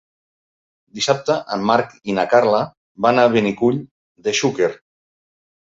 Dissabte en Marc i na Carla van a Benicull de Xúquer.